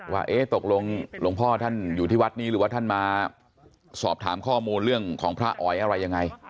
ว่าตกลงหลวงพ่อท่านอยู่ที่วัดนี้หรือว่าท่านมาสอบถามข้อมูลเรื่องของพระอ๋อยอะไรยังไง